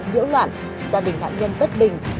nhiễu loạn gia đình nạn nhân bất bình